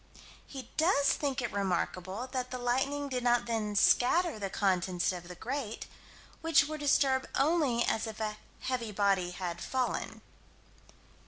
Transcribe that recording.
He does think it remarkable that the lightning did not then scatter the contents of the grate, which were disturbed only as if a heavy body had fallen.